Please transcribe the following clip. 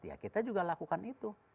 ya kita juga lakukan itu